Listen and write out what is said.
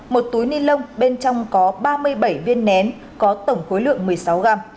một túi ni lông bên trong có ba mươi bảy viên nén có tổng khối lượng một mươi sáu g